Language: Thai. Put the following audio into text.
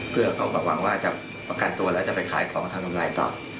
เพื่อเขาก็หวังว่าจะประกันตัวแล้วจะไปขายของทำกำไรต่อ